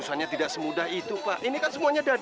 saya akan bangun semuanya